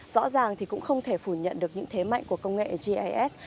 rõ ràng thì cũng không thể phủ nhận được những thế mạnh của công nghệ gis